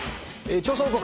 調査報告。